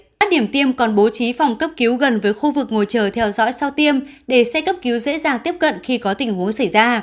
các điểm tiêm còn bố trí phòng cấp cứu gần với khu vực ngồi chờ theo dõi sau tiêm để xe cấp cứu dễ dàng tiếp cận khi có tình huống xảy ra